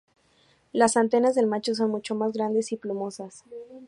Las antenas del macho son mucho más grandes y plumosas.